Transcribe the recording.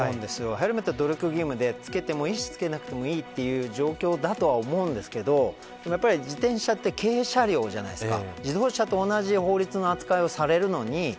ヘルメットは努力義務で着けてもいいし着けなくてもいいという状況だと思いますが自転車って軽車両じゃないですか。